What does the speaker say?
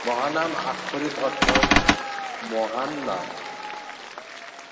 মহানাম আক্ষরিক অর্থ 'মহান নাম'।